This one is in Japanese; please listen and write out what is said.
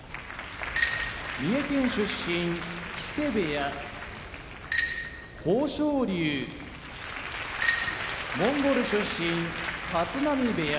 三重県出身木瀬部屋豊昇龍モンゴル出身立浪部屋